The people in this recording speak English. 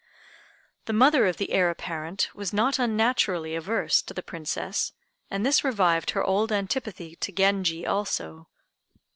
The mother of the Heir apparent was not unnaturally averse to the Princess, and this revived her old antipathy to Genji also.